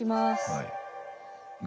はい。